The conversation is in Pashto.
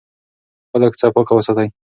خپله کوڅه پاکه وساتئ.